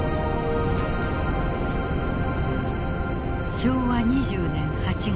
昭和２０年８月。